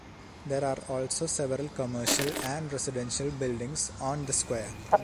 There are also several commercial and residential buildings on the square.